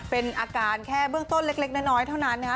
เป็นอาการแค่เบื้องต้นเล็กน้อยเท่านั้นนะคะ